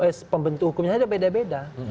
eh pembentuk hukumnya itu beda beda